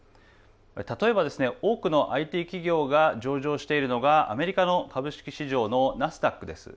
例えば、多くのＩＴ企業が上場しているのがアメリカの株式市場のナスダックです。